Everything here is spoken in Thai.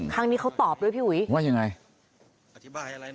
ครั้งนี้เขาตอบด้วยพี่หวี